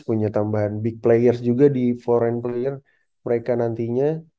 punya tambahan big players juga di foreign player mereka nantinya